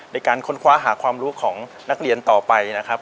ในการค้นคว้าหาความรู้ของนักเรียนต่อไปนะครับ